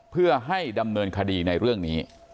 เพื่อให้ดำเนินคดีในเรื่องนี้